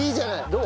どう？